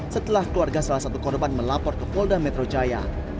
setelah keluarga salah satu korban melapor ke polda metro jaya